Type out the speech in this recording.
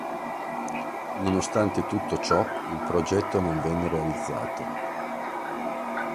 Nonostante tutto ciò, il progetto non venne realizzato.